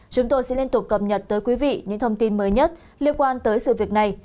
chúng tôi sẽ liên tục cập nhật tới quý vị những thông tin mới nhất liên quan tới sự việc này